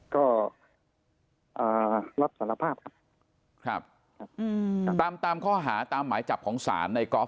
ก็รับสารภาพครับตามค่าห้าตามหมายจับของสาร